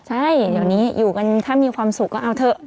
ใช่เดี๋ยวนี้อยู่กันถ้ามีความสุขก็เอาเถอะ